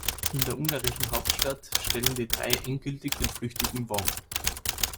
In der ungarischen Hauptstadt stellen die Drei endgültig den flüchtigen Wong.